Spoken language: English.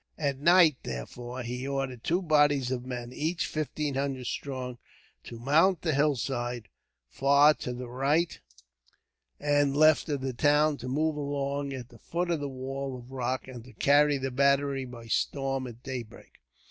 At night, therefore, he ordered two bodies of men, each fifteen hundred strong, to mount the hillside, far to the right and left of the town; to move along at the foot of the wall of rock, and to carry the battery by storm at daybreak.